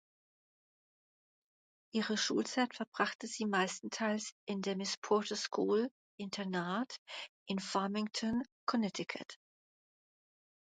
Ihre Schulzeit verbrachte sie meistenteils in der "Miss Porter’s School" (Internat) in Farmington (Connecticut).